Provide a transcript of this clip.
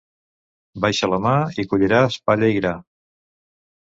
Baixa la mà i colliràs palla i gra.